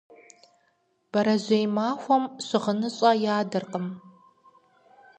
Бэрэжьей махуэм щыгъыныщӏэ ядыркъым.